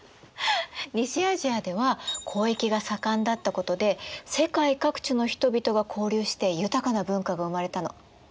西アジアでは交易が盛んだったことで世界各地の人々が交流して豊かな文化が生まれたの。